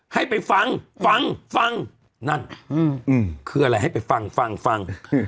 ให้ไปฟังฟังฟังนั่นอืมอืมคืออะไรให้ไปฟังฟังฟัง